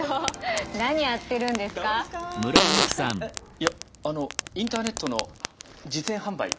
いやあのインターネットの実演販売。